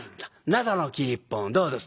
灘の生一本どうです？」。